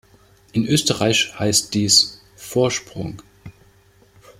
In Österreich heißt dies "Vorsprung".